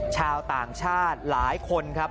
ชาวต่างชาติหลายคนครับ